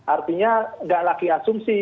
artinya tidak lagi asumsi